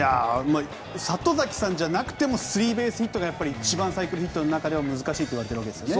里崎さんじゃなくてもスリーベースヒットが一番サイクルヒットの中では難しいといわれるわけですね。